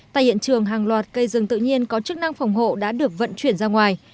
tại hiện trường hàng loạt cây rừng tự nhiên có chức năng phòng hộ đã được vận chuyển ra ngoài